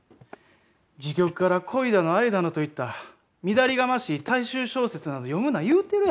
時局柄恋だの愛だのといったみだりがましい大衆小説など読むな言うてるやろ。